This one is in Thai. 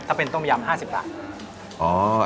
ถ้าเป็นต้มยำ๕๐บาท